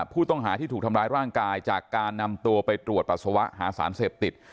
ผู้ต้องหาที่ถูกทำร้ายร่างกายจากการนำตัวไปตรวจปัสสาวะหาสารเสพติด